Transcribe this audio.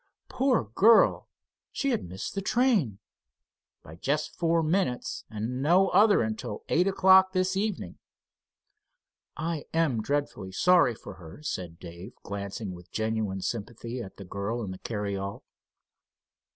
"Poor girl! she had missed the train." "By just four minutes, and no other until eight o'clock this evening." "I am dreadfully sorry for her," said Dave, glancing with genuine sympathy at the girl in the carryall.